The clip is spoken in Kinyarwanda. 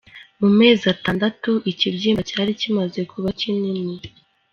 Mu mezi atandatu ikibyimba cyari kimaze kuba kinini.